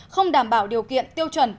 không đảm bảo điều kiện tiêu chuẩn